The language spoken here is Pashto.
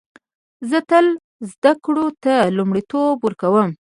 زه تل زده کړو ته لومړیتوب ورکوم